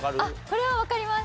これはわかります。